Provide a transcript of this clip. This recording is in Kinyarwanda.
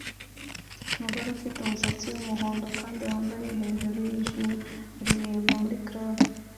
Umugore ufite umusatsi wumuhondo kandi wambaye hejuru yijimye aririmba muri club